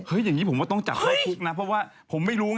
อย่างนี้ผมว่าต้องจับเข้าคุกนะเพราะว่าผมไม่รู้ไง